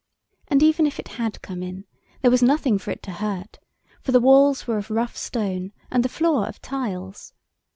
And even if it had come in, there was nothing for it to hurt, for the walls were of rough stone, and the floor of tiles.